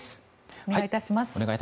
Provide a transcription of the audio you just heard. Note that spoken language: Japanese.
お願いいたします。